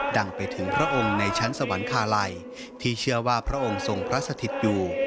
ดังไปถึงพระองค์ในชั้นสวรรคาลัยที่เชื่อว่าพระองค์ทรงพระสถิตย์อยู่